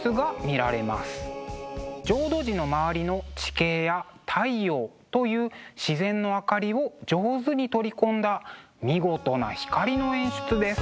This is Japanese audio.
浄土寺の周りの地形や太陽という自然の明かりを上手に取り込んだ見事な光の演出です。